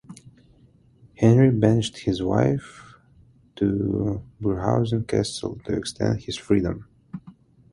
Henry banished his wife to Burghausen Castle to extend his freedom.